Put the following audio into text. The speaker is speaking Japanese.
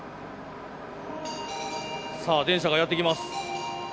さあ電車がやって来ます。